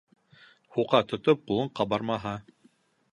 Һуҡа тотоп ҡулың ҡабармаһа